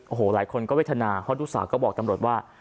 โอ้โหหลายคนก็เวทนาเพราะลูกสาวก็บอกตำรวจว่า